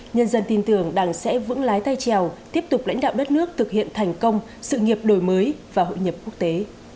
nhân dân tin tưởng đảng sẽ vững lái tay trèo tiếp tục lãnh đạo đất nước thực hiện thành công sự nghiệp đổi mới và hội nhập quốc tế